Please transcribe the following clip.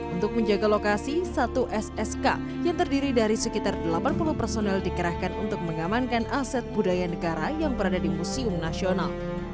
untuk menjaga lokasi satu ssk yang terdiri dari sekitar delapan puluh personel dikerahkan untuk mengamankan aset budaya negara yang berada di museum nasional